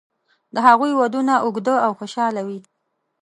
د هغوی ودونه اوږده او خوشاله وي.